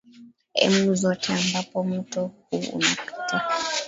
emu zote ambapo mto huu unapita